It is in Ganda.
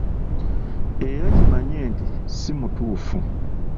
Era kimanye nti si mutuufu.